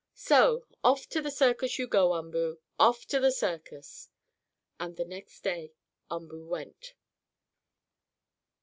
So off to the circus you go, Umboo! Off to the circus!" And the next day Umboo went.